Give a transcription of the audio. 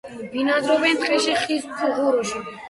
ბინადრობენ ტყეში, ხის ფუღუროში.